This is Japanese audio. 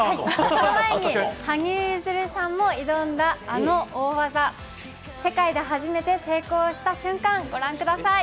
その前に、羽生結弦さんも挑んだあの大技、世界で初めて成功した瞬間、ご覧ください。